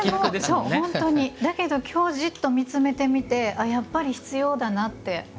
だけど、きょうじっと見つめてみてやっぱり必要だなって。